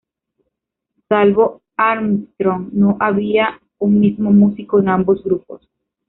Salvo Armstrong, no había un mismo músico en ambos grupos.